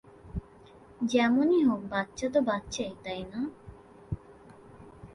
যেমনই হোক, বাচ্চা তো বাচ্চাই, তাই না?